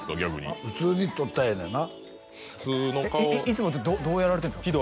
いつもってどうやられてるんですか？